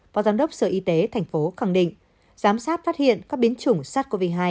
phó giám đốc sở y tế thành phố khẳng định giám sát phát hiện các biến chủng sars cov hai